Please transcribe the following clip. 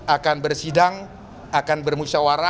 akan bersidang akan bermusyawarah